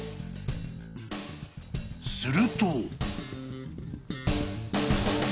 ［すると］